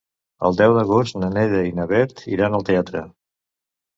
El deu d'agost na Neida i na Bet iran al teatre.